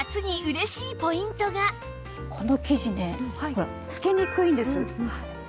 この生地ねほら透けにくいんです。